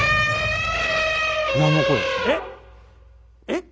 えっ？